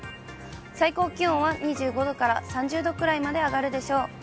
最高気温は２５度から３０度くらいまで上がるでしょう。